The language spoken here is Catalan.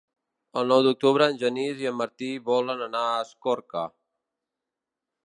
El nou d'octubre en Genís i en Martí volen anar a Escorca.